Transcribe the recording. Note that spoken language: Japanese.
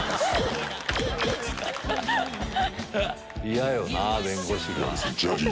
嫌よな弁護士が。